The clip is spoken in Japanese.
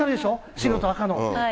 白と赤の。